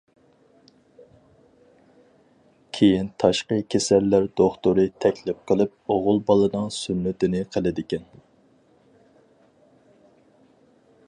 كېيىن تاشقى كېسەللەر دوختۇرى تەكلىپ قىلىپ ئوغۇل بالىنىڭ سۈننىتىنى قىلىدىكەن.